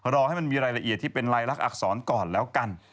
รอให้มันมีรายละเอียดที่เป็นลายลักษณอักษรก่อนแล้วกัน